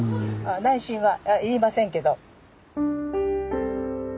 内心は言いませんけど。